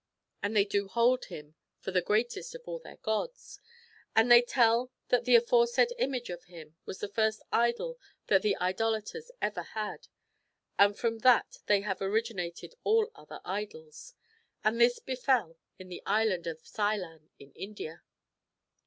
And they do hold him for the greatest of all their gods. And they tell that the aforesaid image of him was the first idol that the idolaters ever had ; and from that have originated all the other idols. And this befel in the Island of Sedan in India.